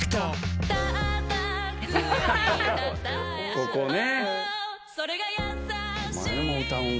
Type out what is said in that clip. ここね。